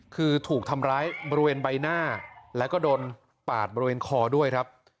คือถูกทำร้ายบริเวณใบหน้าแล้วก็โดนปาดบริเวณคอด้วยครับ